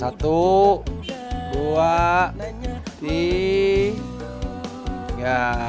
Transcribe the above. satu dua tiga